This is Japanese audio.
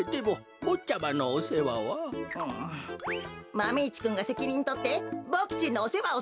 マメ１くんがせきにんとってボクちんのおせわをするのです。